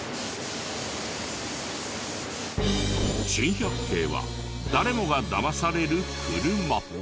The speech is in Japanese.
珍百景は誰もがだまされる車。